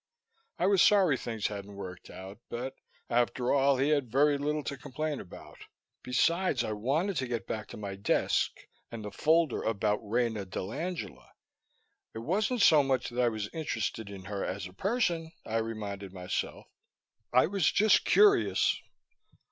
I was sorry things hadn't worked out but, after all, he had very little to complain about. Besides, I wanted to get back to my desk and the folder about Rena dell'Angela. It wasn't so much that I was interested in her as a person, I reminded myself. I was just curious....